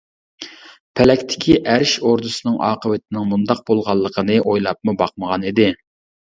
پەلەكتىكى ئەرش ئوردىسىنىڭ ئاقىۋىتىنىڭ مۇنداق بولغانلىقىنى ئويلاپمۇ باقمىغان ئىدى.